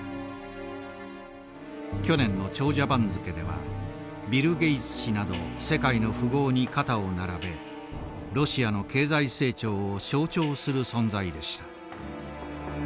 去年の長者番付ではビル・ゲイツ氏など世界の富豪に肩を並べロシアの経済成長を象徴する存在でした。